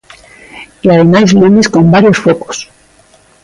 E ademais lumes con varios focos.